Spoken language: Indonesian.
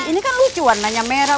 ini kan lucu warnanya merah